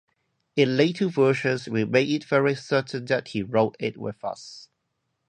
In later versions, we made it very certain that he wrote it with us.